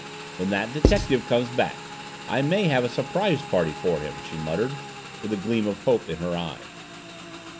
"When that detective comes back I may have a surprise party for him," she muttered, with a gleam of hope in her eye.